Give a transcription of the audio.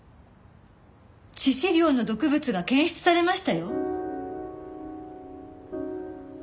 致死量の毒物が検出されましたよ。